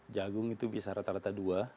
jagung itu bisa rata rata dua